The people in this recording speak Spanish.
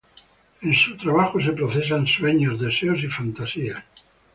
En su trabajo se procesan sueños, deseos y fantasías.